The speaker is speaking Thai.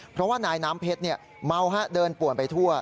เพราะว่านายน้ำเพชรเมาเดินป่วนไปทั่ว